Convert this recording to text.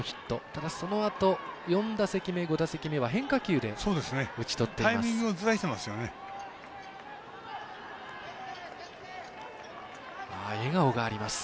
ただ、そのあと４打席目、５打席目は変化球で打ち取っています。